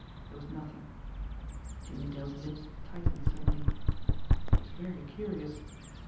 There was nothing. Jimmie Dale's lips tightened suddenly. It was very curious!